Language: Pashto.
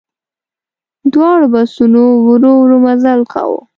دواړو بسونو ورو ورو مزل کاوه.